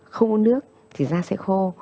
không uống nước thì da sẽ khô